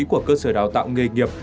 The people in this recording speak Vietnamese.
của cơ sở đào tạo nghề nghiệp